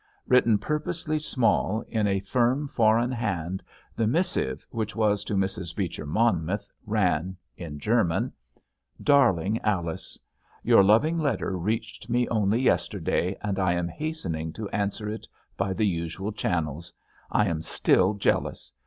Written purposely small in a firm, foreign hand, the missive, which was to Mrs. Beecher Monmouth, ran, in German: "DARLING ALICE, "_Your loving letter reached me only yesterday, and I am hastening to answer it by the usual channels. I am still jealous.